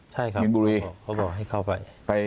ใช่ครับเขาบอกให้เข้าไป